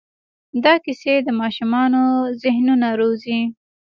دا کیسې د ماشومانو ذهنونه روزي.